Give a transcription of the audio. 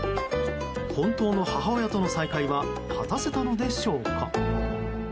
本当の母親との再会は果たせたのでしょうか。